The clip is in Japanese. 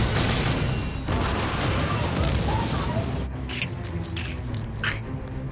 くっ！！